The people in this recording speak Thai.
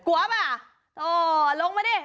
กลัวป่ะโถลงมาดิ